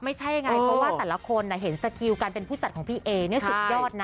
ไม่ใช่ยังไงเพราะว่าแต่ละคนเห็นสกิลการเป็นผู้จัดของพี่เอเนี่ยสุดยอดนะ